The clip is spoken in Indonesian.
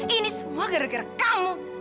ini semua gara gara kamu